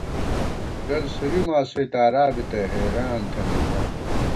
ڈل سُوری ماسوئےتارا بی تئ حیریان تھنَئیم آں